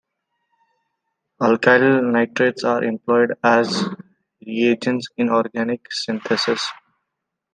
Alkyl nitrates are employed as reagents in organic synthesis.